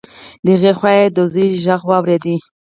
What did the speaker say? د هغې خوا يې د زوی غږ واورېد.